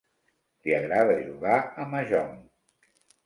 Li agrada jugar a mahjong.